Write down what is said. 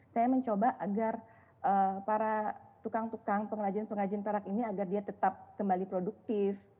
saya mencoba agar para tukang tukang pengrajin pengrajin perak ini agar dia tetap kembali produktif